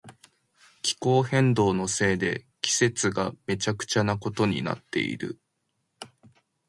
気候変動のせいで季節がめちゃくちゃなことになっている。